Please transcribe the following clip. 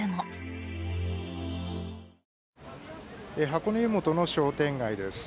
箱根湯本の商店街です。